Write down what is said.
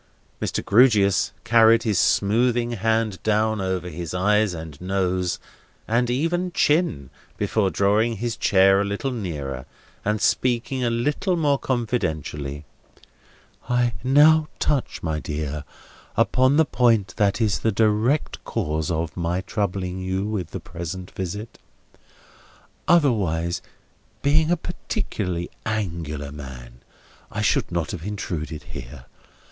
Mr. Grewgious carried his smoothing hand down over his eyes and nose, and even chin, before drawing his chair a little nearer, and speaking a little more confidentially: "I now touch, my dear, upon the point that is the direct cause of my troubling you with the present visit. Otherwise, being a particularly Angular man, I should not have intruded here.